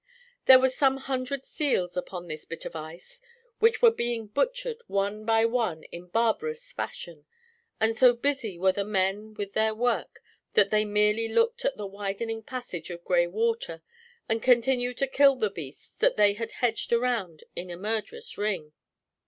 There were some hundred seals upon this bit of ice, which were being butchered one by one in barbarous fashion, and so busy were the men with their work that they merely looked at the widening passage of gray water and continued to kill the beasts that they had hedged round in a murderous ring.